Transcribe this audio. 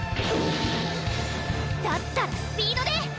だったらスピードで！